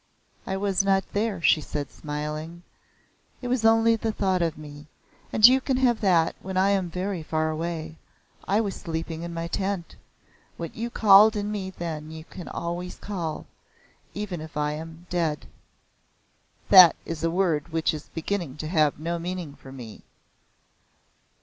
"I was not there," she said smiling. "It was only the thought of me, and you can have that when I am very far away. I was sleeping in my tent. What you called in me then you can always call, even if I am dead." "That is a word which is beginning to have no meaning for me.